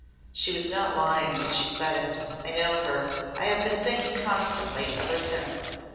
She was not lying when she said it. I know her. I have been thinking constantly ever since."